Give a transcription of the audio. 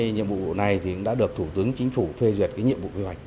nhiệm vụ này đã được thủ tướng chính phủ phê duyệt nhiệm vụ quy hoạch